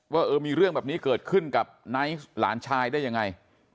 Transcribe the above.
ว่าเออมีเรื่องแบบนี้เกิดขึ้นกับไนท์หลานชายได้ยังไง